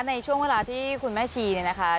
ในช่วงเวลาที่คุณแม่ชีเนี่ยนะคะ